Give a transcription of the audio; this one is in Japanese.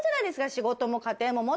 仕事も家庭も持って。